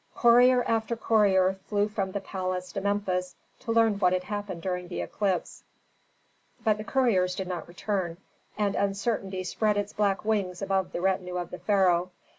Courier after courier flew from the palace to Memphis to learn what had happened during the eclipse. But the couriers did not return, and uncertainty spread its black wings above the retinue of the pharaoh.